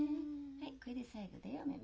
はいこれで最後だよお目々。